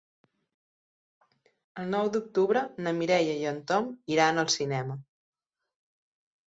El nou d'octubre na Mireia i en Tom iran al cinema.